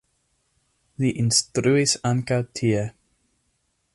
Li instruis ankaŭ tie.